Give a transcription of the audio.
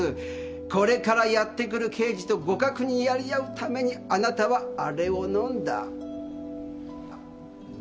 これからやって来る刑事と互角にやり合うためにあなたはあれを飲んだ。